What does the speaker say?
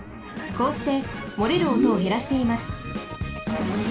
こうしてもれるおとをへらしています。